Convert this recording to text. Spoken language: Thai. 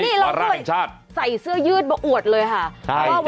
นี่เราด้วยใส่เสื้อยืดมาอวดเลยค่ะ